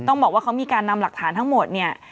ต้องบอกว่าเขามีการนำหลักฐานทั้งหมดเนี่ย